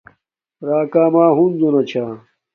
راکا اما ہنزو نا چھا